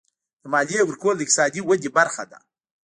د مالیې ورکول د اقتصادي ودې برخه ده.